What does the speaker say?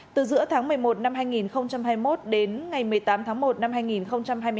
từ giữa tháng một mươi một năm hai nghìn hai mươi một đến ngày một mươi tám tháng một năm hai nghìn hai mươi bốn